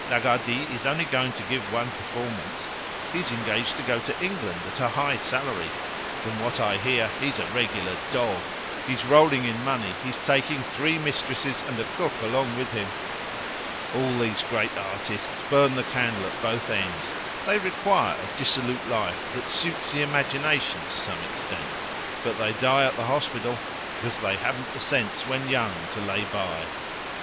Lagardy is only going to give one performance; he's engaged to go to England at a high salary. From what I hear, he's a regular dog; he's rolling in money; he's taking three mistresses and a cook along with him. All these great artists burn the candle at both ends; they require a dissolute life, that suits the imagination to some extent. But they die at the hospital, because they haven't the sense when young to lay by.